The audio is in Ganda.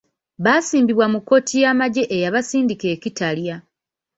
Baasimbibwa mu kkooti y’amagye eyabasindika e Kitalya.